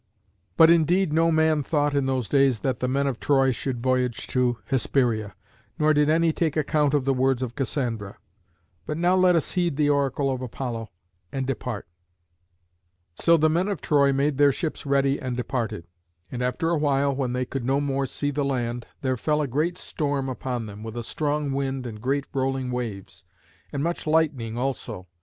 But, indeed, no man thought in those days that the men of Troy should voyage to Hesperia, nor did any take account of the words of Cassandra. But now let us heed the oracle of Apollo, and depart." [Illustration: THE HARPIES.] So the men of Troy made their ships ready and departed. And after a while, when they could no more see the land, there fell a great storm upon them, with a strong wind and great rolling waves, and much lightning also.